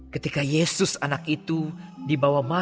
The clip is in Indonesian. ketika yesus anak itu dibawa masuk